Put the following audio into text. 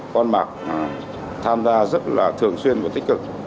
con mạc tham gia rất là thường xuyên và tích cực